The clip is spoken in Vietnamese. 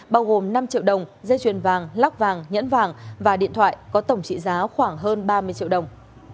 bao gồm năm triệu đồng dây chuyền vàng lắc vàng nhẫn vàng và điện thoại có tổng trị giá khoảng hơn ba mươi triệu đồng